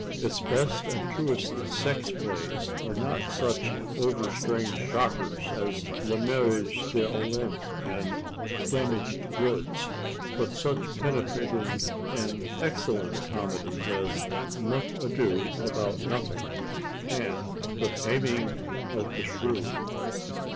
Its best and truest sex plays are not such overstrained shockers as "Le Mariage d' Olympe" and "Damaged Goods," but such penetrating and excellent comedies as "Much Ado About Nothing" and "The Taming of the Shrew."